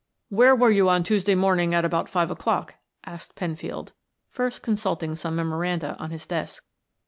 "Where were you on Tuesday morning at about five o'clock?" asked Penfield, first consulting some memoranda on his desk.